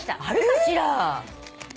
あるかしら？